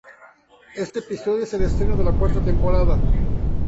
Este episodio es el estreno de la cuarta temporada.